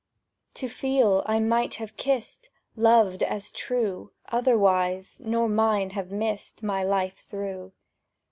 To feel I might have kissed— Loved as true— Otherwhere, nor Mine have missed My life through.